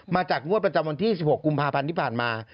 มาจากงวดประจำวันที่๑๖กุมภาพันธ์ที่ผ่านมา